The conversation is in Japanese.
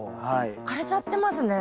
枯れちゃってますね。